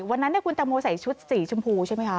วันนั้นคุณตังโมใส่ชุดสีชมพูใช่ไหมคะ